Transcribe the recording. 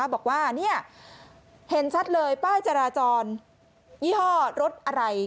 บอกว่าเห็นชัดเลยป้ายจราจรยี่ห้อรถอะไร